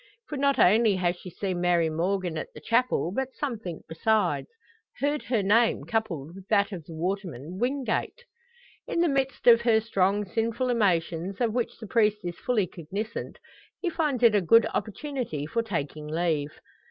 For not only has she seen Mary Morgan at the chapel, but something besides heard her name coupled with that of the waterman, Wingate. In the midst of her strong, sinful emotions, of which the priest is fully cognisant, he finds it a good opportunity for taking leave.